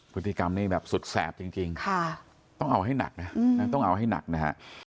พฤติกรรมนี้แบบสุดแสบจริงต้องเอาให้หนักนะต้องเอาให้หนักนะฮะ